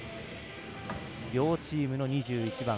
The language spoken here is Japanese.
両チームの２１番。